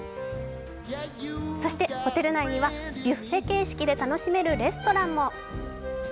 そして、ホテル内にはビュッフェ形式で楽しめるレストランも。